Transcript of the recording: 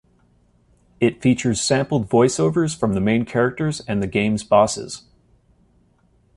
It features sampled voiceovers from the main characters and the game's bosses.